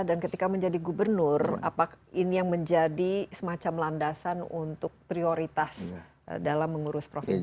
dan ketika menjadi gubernur apa ini yang menjadi semacam landasan untuk prioritas dalam mengurus provinsi ini